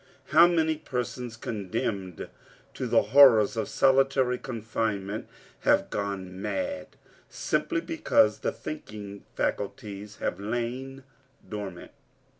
How many persons condemned to the horrors of solitary confinement have gone mad simply because the thinking faculties have lain dormant!